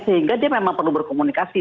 sehingga dia memang perlu berkomunikasi